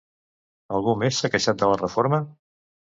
Algú més s'ha queixat de la reforma?